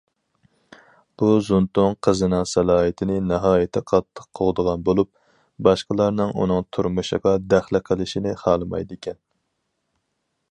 بۇ زۇڭتۇڭ قىزىنىڭ سالاھىيىتىنى ناھايىتى قاتتىق قوغدىغان بولۇپ، باشقىلارنىڭ ئۇنىڭ تۇرمۇشىغا دەخلى قىلىشىنى خالىمايدىكەن.